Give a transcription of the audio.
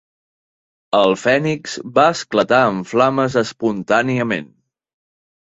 El fènix va esclatar en flames espontàniament.